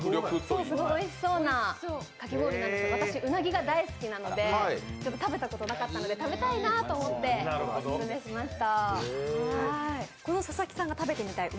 おいしそうなかき氷なんですが私、うなぎが大好きなので食べたことなかったので食べたいなと思って、オススメしました。